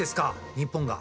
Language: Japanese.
日本が。